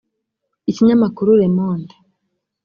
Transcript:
Ikinyamakuru Le Monde